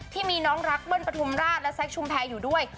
ที่มีน้องรักเบิ้ลปฐุมราชและแซคชุมแพรอยู่ด้วย